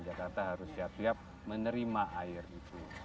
jakarta harus siap siap menerima air itu